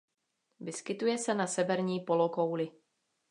Vyskytuje se na severní polokouli.